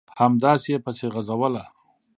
همداسې یې پسې غځوله ...